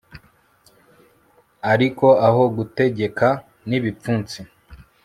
ariko aho gutegeka n'ibipfunsi